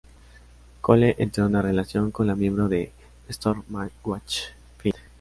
Cole entró en una relación con la miembro de Stormwatch, Flint.